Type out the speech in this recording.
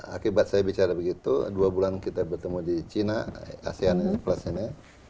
akibat saya bicara begitu dua bulan kita bertemu di china asean plus ini